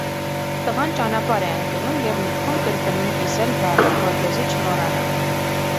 Տղան ճանապարհ է ընկնում, և մտքում կրկնում կիսել բառը, որպեսզի չմոռանա։